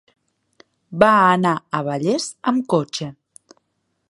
Va anar a Vallés amb cotxe.